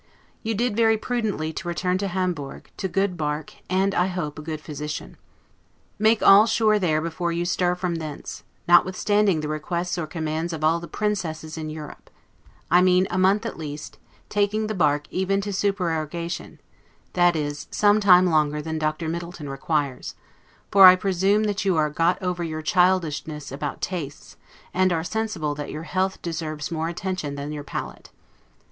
You did very prudently to return to Hamburg, to good bark, and, I hope, a good physician. Make all sure there before you stir from thence, notwithstanding the requests or commands of all the princesses in Europe: I mean a month at least, taking the bark even to supererogation, that is, some time longer than Dr. Middleton requires; for, I presume, you are got over your childishness about tastes, and are sensible that your health deserves more attention than your palate.